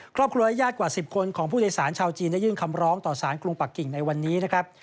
ครอบครัวและญาติกว่า๑๐คนของผู้โดยสารชาวจีนได้ยื่นคำร้องต่อสารกรุงปักกิ่งในวันนี้นะครับ